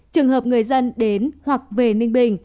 trường hợp người dân đến hoặc về ninh bình